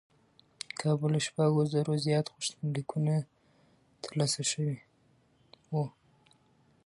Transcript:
کابو له شپږ زرو زیات غوښتنلیکونه ترلاسه شوي و.